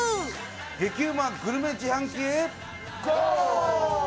激うまグルメ自販機へゴー！